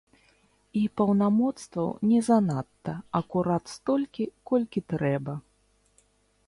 І паўнамоцтваў не занадта, акурат столькі, колькі трэба.